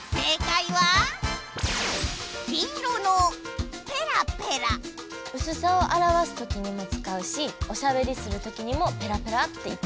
黄色の「ペラペラ」うすさをあらわすときにもつかうしおしゃべりするときにもペラペラって言ったりするわよね。